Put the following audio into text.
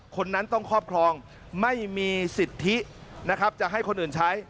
คนนั้นต้องครอบครองไม่มีสิทธินะครับจะให้คนอื่นใช้